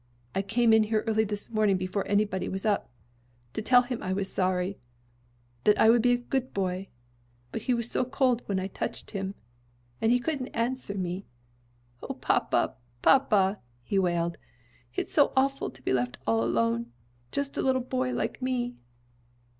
I came in here early this morning before anybody was up, to tell him I was sorry that I would be a good boy but he was so cold when I touched him, and he couldn't answer me! O, papa, papa!" he wailed. "It's so awful to be left all alone just a little boy like me!"